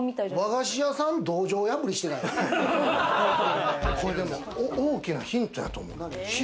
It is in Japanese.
和菓子屋さん、道場破りしてでも大きなヒントだと思う。